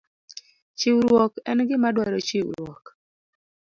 Chiwruok en gima dwaro chiwruok